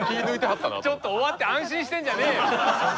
ちょっと終わって安心してんじゃねえよ。